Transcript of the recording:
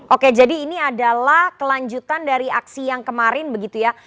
oke jadi ini adalah kelanjutan dari aksi yang kemarin begitu ya